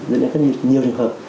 dẫn đến rất nhiều trường hợp